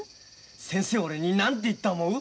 先生俺に何て言った思う？